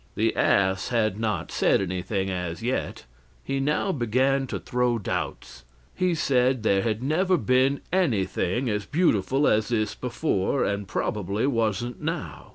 The ass had not said anything as yet; he now began to throw doubts. He said there had never been anything as beautiful as this before, and probably wasn't now.